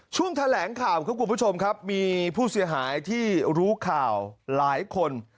ช่วงแถลงข่าวครับคุณผู้ชมครับมีผู้เสียหายที่รู้ข่าวหลายคน